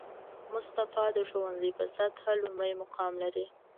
مصطفی د ښوونځي په سطحه لومړی مقام لري